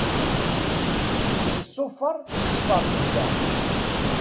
Iṣufeṛ, ṣṣfeṛ n bda.